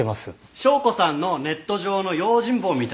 紹子さんのネット上の用心棒みたいな人だよ。